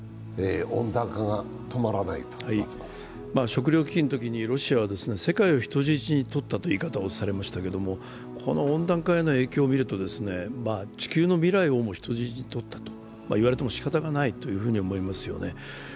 食糧危機のときにロシアは世界を人質にとったという言い方をされましたけれどもこの温暖化への影響を見ると、地球の未来をも人質にとったと言われてもしかたがないと思いますよね。